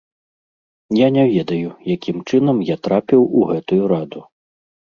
Я не ведаю, якім чынам я трапіў у гэтую раду.